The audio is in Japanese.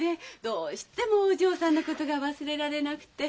どうしてもお嬢さんのことが忘れられなくて。